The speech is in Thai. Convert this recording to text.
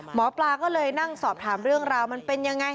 หมอปลาก็เลยนั่งสอบถามเรื่องราวมันเป็นยังไง